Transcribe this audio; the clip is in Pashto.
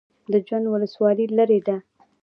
د جوند ولسوالۍ لیرې ده